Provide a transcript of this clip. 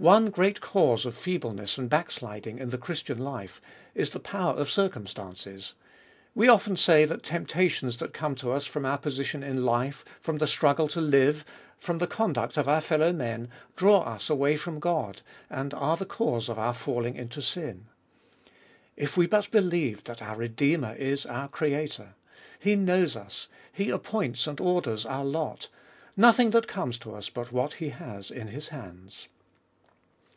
One great cause of feebleness and backsliding in the Christian life is the power of circumstances. We often say that temptations that come to us from our position in life, from the struggle to live, from the conduct of our fellow men, draw us away from God, and are the cause of our falling into sin. If we but believed that our Redeemer is our Creator ! He knows us ; He appoints and orders our lot ; nothing that comes to us but what He has in His hands.